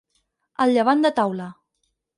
Al llevant de taula.